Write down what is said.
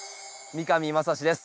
三上真史です。